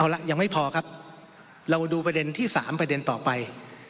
เอาละยังไม่พอครับเราดูประเด็นที่๓ประเด็นต่อไป